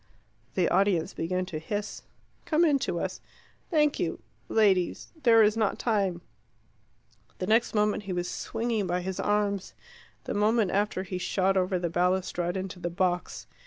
The audience began to hiss. "Come in to us." "Thank you ladies there is not time " The next moment he was swinging by his arms. The moment after he shot over the balustrade into the box.